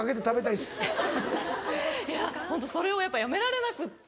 いやホントそれをやっぱやめられなくって。